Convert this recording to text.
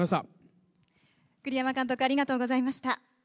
栗山監督、ありがとうございました。